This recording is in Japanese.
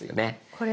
これ？